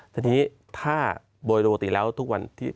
แต่ทีนี้ถ้าบริโภติแล้วทุกวันที่